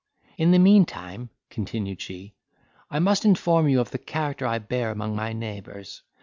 In the meantime," continued she, "I must inform you of the character I bear among my neighbours.